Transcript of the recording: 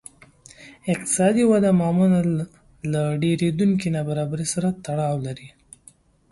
اقتصادي وده معمولاً له ډېرېدونکې نابرابرۍ سره تړاو لري